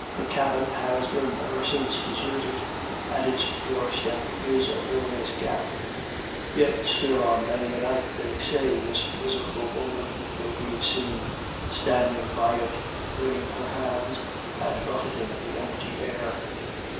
The cabin has been ever since deserted, and its doorway is a ruinous gap. Yet still on many a night, they say, this miserable 246 IRISH IDYLLS. woman may be seen standing by it, wringing her hands and buffeting the empty air.